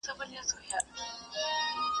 ډېوه پر لګېدو ده څوک به ځی څوک به راځي.